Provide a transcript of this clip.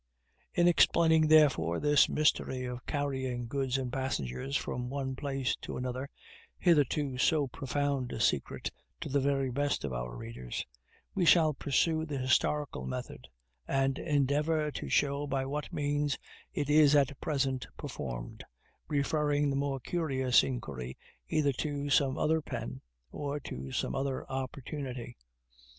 In explaining, therefore, this mystery of carrying goods and passengers from one place to another, hitherto so profound a secret to the very best of our readers, we shall pursue the historical method, and endeavor to show by what means it is at present performed, referring the more curious inquiry either to some other pen or to some other opportunity.